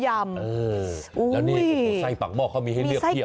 แล้วภาษาใส่ปังหม้อมีให้เลือกเพียบ